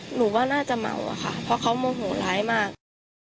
หนูว่าน่าจะเมาอะค่ะเพราะเขาโมโหร้ายมาก